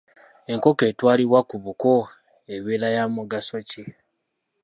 Enkoko etwalibwa ku buko ebeera ya mugaso ki?